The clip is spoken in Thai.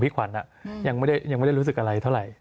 ขวัญยังไม่ได้รู้สึกอะไรเท่าไหร่